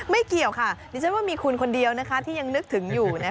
ไม่เกี่ยวค่ะก็ว่าแต่มีขุนคนเดียวนะคะที่ยังนึกถึงอยู่นะคะ